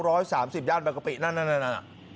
สามสิบย่านบางกะปินั่นนั่นน่ะ